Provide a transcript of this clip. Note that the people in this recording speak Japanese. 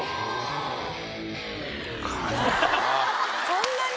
・そんなに？